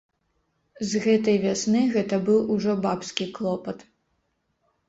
З гэтай вясны гэта быў ужо бабскі клопат.